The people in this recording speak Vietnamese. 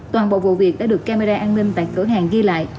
toàn bộ vụ việc đã được camera an ninh tại cửa hàng ghi lại